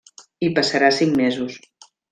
Hi passarà cinc mesos.